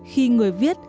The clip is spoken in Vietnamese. khi người viết